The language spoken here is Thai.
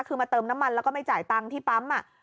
คือมาเติมน้ำมันแล้วก็ไม่จ่ายตังค์ที่ปั๊ม